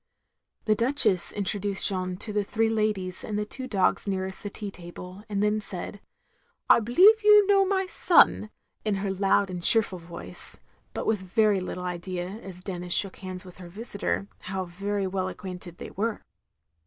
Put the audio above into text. The Duchess introduced Jeanne to the three ladies and the two dogs nearest the tea table, and then said, "I believe you know my son," in her loud and cheerful voice, but with very little idea, as Denis shook hands with her visitor, how very well acquainted they were.